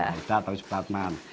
pak ida atau supratman